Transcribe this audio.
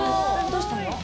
どうしたの？